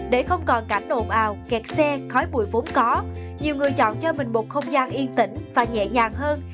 để không còn cảnh ồn ào kẹt xe khói bụi vốn có nhiều người chọn cho mình một không gian yên tĩnh và nhẹ nhàng hơn